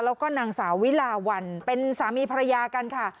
แล้วก็นางสาววิลาวันเป็นสามีภรรยากันค่ะ